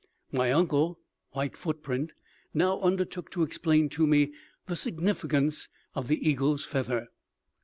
My uncle, White Footprint, now undertook to explain to me the significance of the eagle's feather.